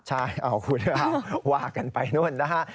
ใช่คุณว่ากันไปนู่นนะฮะ